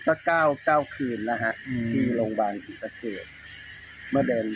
สักเก้าเก้าคืนนะฮะอืมที่โรงพยาบาลสิทธิ์สะเกิดเมื่อเดือน